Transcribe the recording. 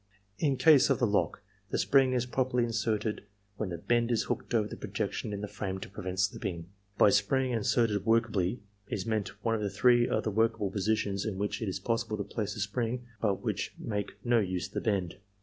In case of the lock, the spring is properly inserted when the bend is hooked over the projection in the frame to prevent slipping. By "Spring inserted workably" is meant one of the three other workable positions in which it is possible to place the spring, but which make no use of the bend.